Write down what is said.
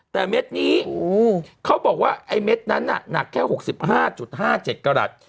แต่เม็ดนี้เขาบอกว่าไอ้เม็ดนั้นน่ะหนักแค่หกสิบห้าจุดห้าเจ็ดกรัส